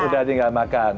udah tinggal makan